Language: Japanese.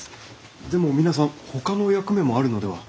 でも皆さんほかの役目もあるのでは？